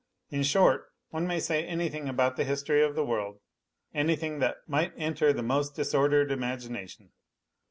In short, one may say anything about the history of the world anything that might enter the most disordered imagination.